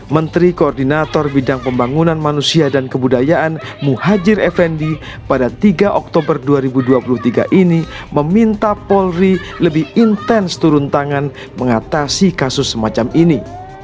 menteri koordinator bidang pembangunan manusia dan kebudayaan muhajir effendi pada tiga oktober dua ribu dua puluh tiga ini meminta polri lebih intens turun tangan mengatasi kasus semacam ini